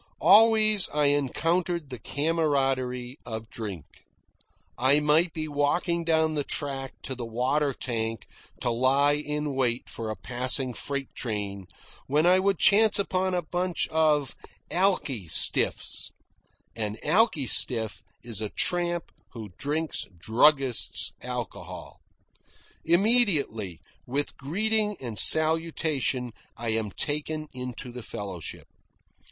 Always I encountered the camaraderie of drink. I might be walking down the track to the water tank to lie in wait for a passing freight train, when I would chance upon a bunch of "alki stiffs." An alki stiff is a tramp who drinks druggist's alcohol. Immediately, with greeting and salutation, I am taken into the fellowship.